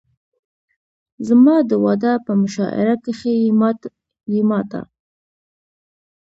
زما د واده په مشاعره کښې يې ما ته